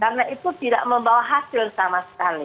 karena itu tidak membawa hasil sama sekali